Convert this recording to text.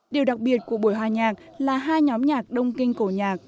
điều đặc biệt của buổi hòa nhạc là hai nhóm nhạc đông kinh cổ nhạc